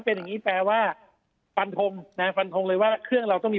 เป็นอย่างงี้แปลว่าฟันทงนะฟันทงเลยว่าเครื่องเราต้องมี